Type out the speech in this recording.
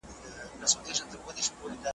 هغه کسان چې ټیکنالوژي کاروي ډېر پرمختګ کوي.